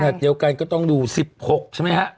เดียวกันก็ต้องดู๑๖ใช่ไหมฮะ